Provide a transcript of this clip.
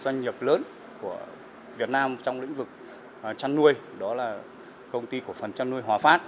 doanh nghiệp lớn của việt nam trong lĩnh vực chăn nuôi đó là công ty cổ phần chăn nuôi hòa phát